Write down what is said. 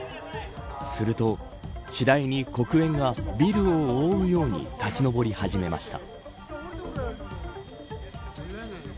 すると次第に黒煙がビルを覆うように立ち上り始めました。